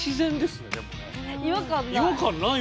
違和感ない。